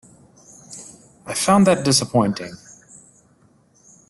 I found that disappointing.